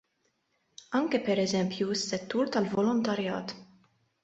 Anke pereżempju s-settur tal-volontarjat.